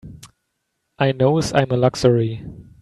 I knows I'm a luxury.